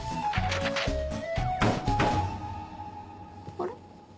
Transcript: ・あれ？